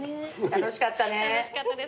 楽しかったです。